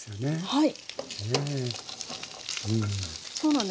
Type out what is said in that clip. はい。